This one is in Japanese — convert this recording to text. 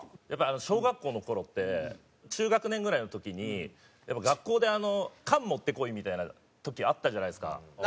やっぱ小学校の頃って中学年ぐらいの時にやっぱ学校で缶持ってこいみたいな時あったじゃないですか。